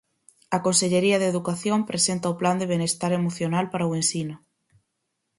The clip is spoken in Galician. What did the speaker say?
A Consellería de Educación presenta o plan de benestar emocional para o ensino.